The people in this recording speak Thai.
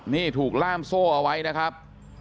นี่ถูกล่ามโซ่เอาไว้นะครับ